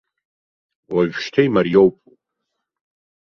Уажәшьҭа имариоуп.